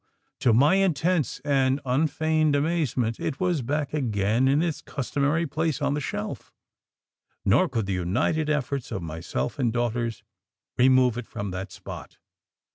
to my intense and unfeigned amazement it was back again in its customary place on the shelf, nor could the united efforts of myself and daughters remove it from that spot.